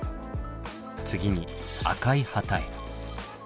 次に赤い旗へ。